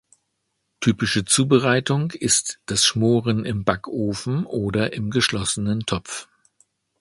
Typische Zubereitung ist das Schmoren im Backofen oder im geschlossenen Topf.